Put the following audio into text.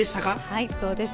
はいそうです。